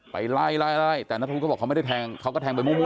ไปไล่แต่นัทธวุธก็บอกเขาไม่ได้แทงเขาก็แทงไปมั่วใช่ไหม